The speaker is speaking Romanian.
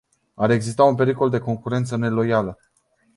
Ar exista un pericol de concurență neloială.